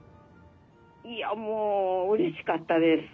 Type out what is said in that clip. いやもううれしかったです。